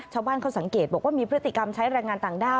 ชาวบ้านเขาสังเกตบอกว่ามีพฤติกรรมใช้แรงงานต่างด้าว